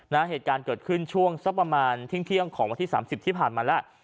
นะฮะเหตุการณ์เกิดขึ้นช่วงสักประมาณทิ้งเที่ยงของวันที่๓๐ที่ผ่านมาแล้ว